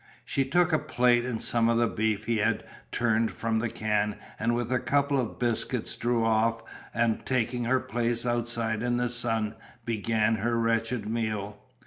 She took a plate and some of the beef he had turned from the tin and with a couple of biscuits drew off and taking her place outside in the sun began her wretched meal.